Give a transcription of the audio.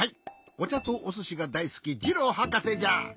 おちゃとおすしがだいすきジローはかせじゃ。